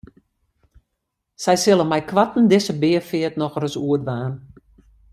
Sy sille meikoarten dizze beafeart nochris oerdwaan.